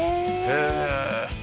へえ。